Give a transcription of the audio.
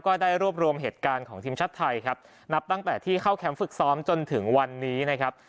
ก็ได้รวบรวมเหตุการณ์ของทีมชาติไทยครับนับตั้งแต่ที่เข้าแคมป์ฝึกซ้อมจนถึงวันนี้นะครับ